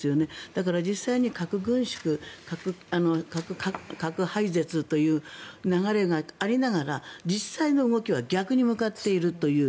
だから、実際に核軍縮核廃絶という流れがありながら実際の動きは逆に向かっているという。